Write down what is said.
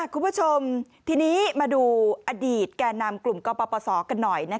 คุณผู้ชมทีนี้มาดูอดีตแก่นำกลุ่มกปศกันหน่อย